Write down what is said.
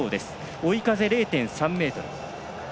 追い風０．３メートル。